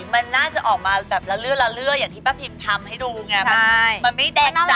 มันน่าจะออกมาแบบละเลืออย่างที่ป้าพับิ๊มทำให้ดูไงมันไม่แดงจักใช่